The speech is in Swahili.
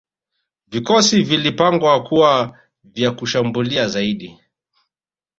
vikosi vilipangwa kuwa vya kushambulia zaidi